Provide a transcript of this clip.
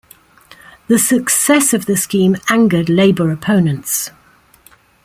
The success of the scheme angered Labour opponents.